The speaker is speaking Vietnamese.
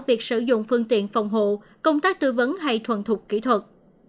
việc sử dụng phương tiện phòng hộ công tác tư vấn hay thuần thục kỹ thuật